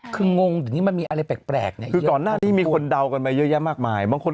คือมีอะไรแปลกก่อนหน้าที่มีคนเดากันมาเยอะมากมายบางคน